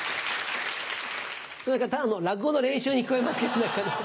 ただの落語の練習に聞こえますけど。